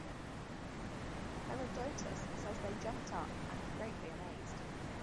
Herodotus says they jumped up and were greatly amazed.